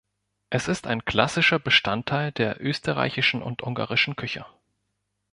Es ist ein klassischer Bestandteil der österreichischen und ungarischen Küche.